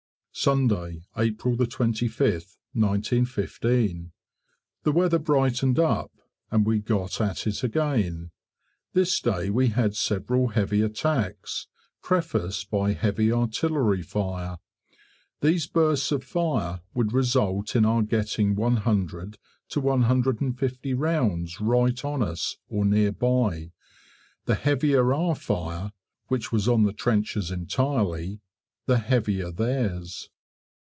Sunday, April 25th, 1915. The weather brightened up, and we got at it again. This day we had several heavy attacks, prefaced by heavy artillery fire; these bursts of fire would result in our getting 100 to 150 rounds right on us or nearby: the heavier our fire (which was on the trenches entirely) the heavier theirs.